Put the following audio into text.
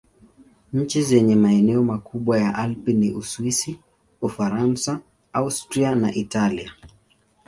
Nchi zenye maeneo makubwa ya Alpi ni Uswisi, Ufaransa, Austria na Italia.